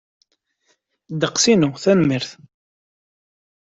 Ddeqs-inu, tanemmirt.